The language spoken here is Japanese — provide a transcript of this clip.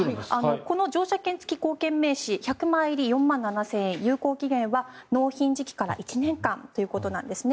この乗車券付き硬券名刺１００枚入り４万７０００円有効期限は納品時期から１年間ということなんですね。